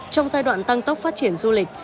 trong giai đoạn tăng tốc phát triển du lịch